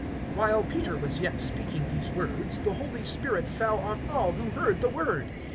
(44)While Peter was yet speaking these words, the Holy Spirit fell on all who heard the word.